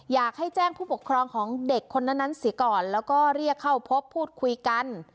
อยากให้แจ้งผู้ปกครองของเด็กคนนั้นเสียก่อนแล้วก็เรียกเข้าพบพูดคุยกัน